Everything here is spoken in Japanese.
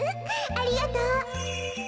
ありがとう。